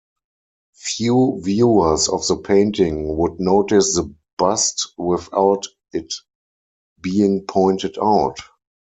Few viewers of the painting would notice the bust without it being pointed out.